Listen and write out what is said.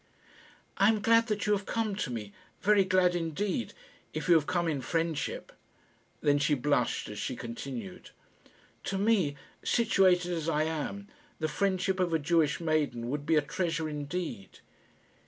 "I am glad that you have come to me very glad indeed, if you have come in friendship." Then she blushed as she continued, "To me, situated as I am, the friendship of a Jewish maiden would be a treasure indeed."